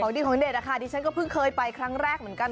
ดีของเด็ดอะค่ะดิฉันก็เพิ่งเคยไปครั้งแรกเหมือนกัน